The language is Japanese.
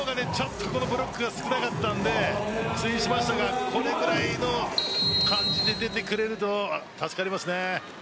昨日はブロックが少なかったので苦戦しましたがこれくらいの感じで出てくれると助かります。